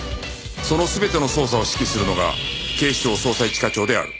その全ての捜査を指揮するのが警視庁捜査一課長である